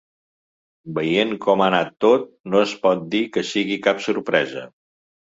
Veient com ha anat tot, no es pot dir que sigui cap sorpresa.